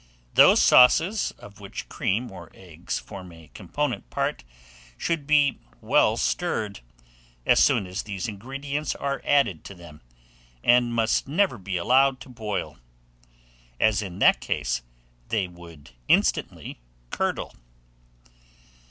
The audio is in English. Those sauces, of which cream or eggs form a component part, should be well stirred, as soon as these ingredients are added to them, and must never be allowed to boil; as, in that case, they would instantly curdle.